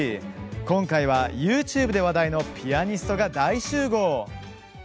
今回は、ＹｏｕＴｕｂｅで話題のピアニストが大集合。